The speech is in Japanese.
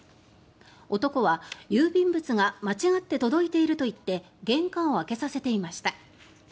男は郵便物が間違って届いていると言って玄関を開けさせていました。